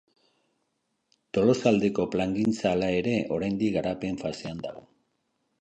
Tolosaldeko plangintza hala ere, oraindik garapen fasean dago.